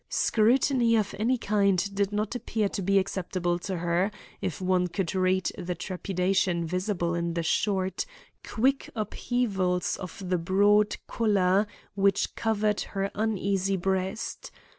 Scrutiny of any kind did not appear to be acceptable to her, if one could read the trepidation visible in the short, quick upheavals of the broad collar which covered her uneasy breast.